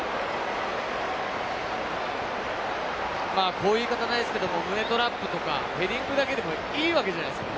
こういう言い方はなんですけれども、胸トラップとかヘディングだけでもいいわけじゃないですか。